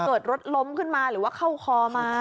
รถล้มขึ้นมาหรือว่าเข้าคอมา